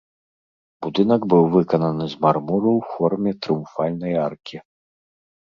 Будынак быў выкананы з мармуру ў форме трыумфальнай аркі.